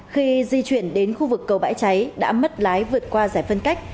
khi di chuyển đến khu vực cầu bãi cháy đã mất lái vượt qua giải phân cách